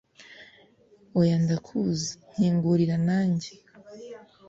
oya ndakuzi nkingurira nanjye